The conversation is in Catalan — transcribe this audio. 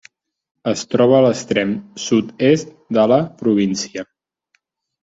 Es troba a l'extrem sud-est de la província.